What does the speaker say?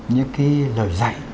những cái lời dạy